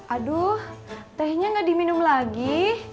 aduh tehnya nggak diminum lagi